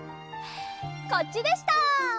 こっちでした！